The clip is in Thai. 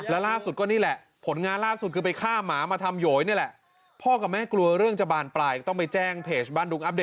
และล่าสุดก็นี่แหละผลงานล่าสุด